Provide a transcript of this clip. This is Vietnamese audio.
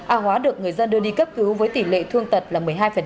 a hóa được người dân đưa đi cấp cứu với tỷ lệ thương tật là một mươi hai